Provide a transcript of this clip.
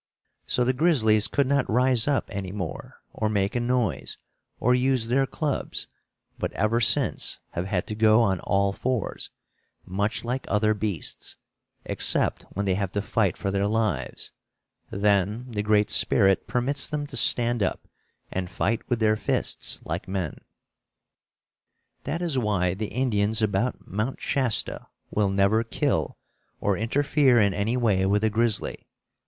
So the grizzlies could not rise up any more, or make a noise, or use their clubs, but ever since have had to go on all fours, much like other beasts, except when they have to fight for their lives; then the Great Spirit permits them to stand up and fight with their fists like men. That is why the Indians about Mount Shasta will never kill or interfere in any way with a grizzly.